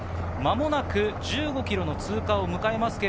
間もなく１５ｋｍの通過です。